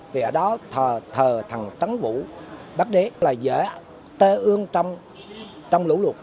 vì ở đó thờ thần trắng vũ bác đế là dễ tơ ương trong lũ lụt